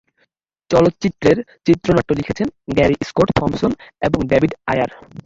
চলচ্চিত্রের চিত্রনাট্য লিখেছেন গ্যারি স্কট থম্পসন এবং ডেভিড আয়ার।